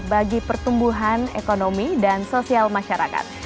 bagi pertumbuhan ekonomi dan sosial masyarakat